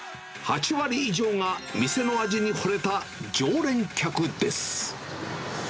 ８割以上が店の味にほれた、常連客です。